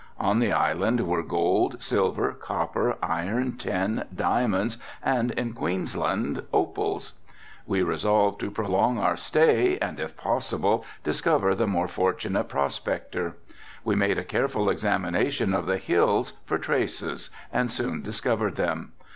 On the island were gold, silver, copper, iron, tin, diamonds and in Queensland opals. We resolved to prolong our stay and if possible discover the more fortunate prospector. We made a careful examination of the hills for traces and soon discovered them.